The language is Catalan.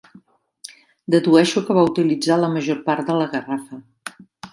Dedueixo que va utilitzar la major part de la garrafa.